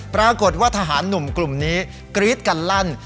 ปรากฏว่าทหารหนุ่มกลุ่มนี้กรี๊ดกันลั่น